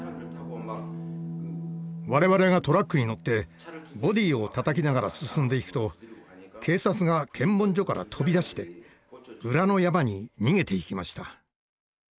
我々がトラックに乗ってボディーをたたきながら進んでいくと警察が検問所から飛び出して裏の山に逃げていきました。